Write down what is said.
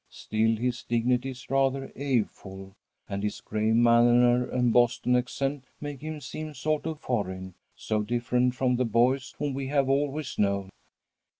Still his dignity is rather awe full, and his grave manner and Boston accent make him seem sort of foreign, so different from the boys whom we have always known.